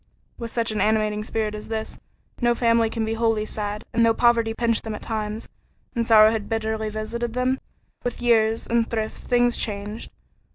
With such an animating spirit as this, no family can be wholly sad, and though poverty pinched them at times, and sorrow had bitterly visited them, with years and thrift things changed.